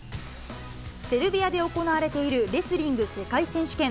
セルビアで行われているレスリング世界選手権。